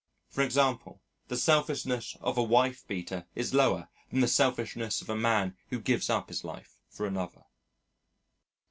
For example, the selfishness of a wife beater is lower than the selfishness of a man who gives up his life for another.